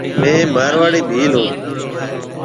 ميه مارواڙي ڀيل هون۔